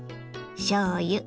しょうゆ